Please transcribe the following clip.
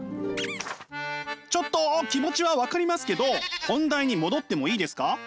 ちょっと気持ちは分かりますけど本題に戻ってもいいですか？